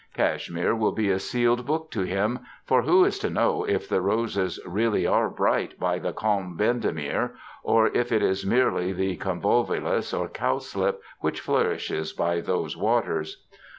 Cashmere will be a sealed book to him ; for who is to know if the roses really are bright by the calm Bendemeer, or if it is merely the con volvulus or cowslip which flourishes by those waters?